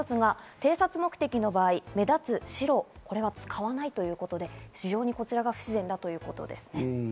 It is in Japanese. もう一つが偵察目的の場合、目立つ白、これは使わないということで非常に不自然だということです。